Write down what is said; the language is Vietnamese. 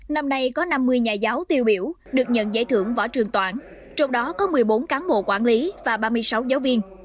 năm nay có năm mươi nhà giáo tiêu biểu được nhận giải thưởng võ trường toản trong đó có một mươi bốn cán bộ quản lý và ba mươi sáu giáo viên